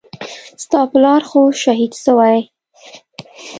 ستا پلار خو شهيد سوى.